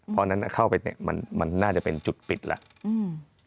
เพราะฉะนั้นเข้าไปเนี่ยมันน่าจะเป็นจุดปิดแล้ว